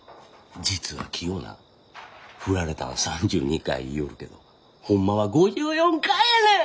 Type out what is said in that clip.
実はキヨな振られたん３２回言いよるけどホンマは５４回やねん！